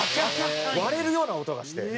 割れるような音がして。